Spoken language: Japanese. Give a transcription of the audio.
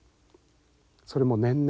それも年々。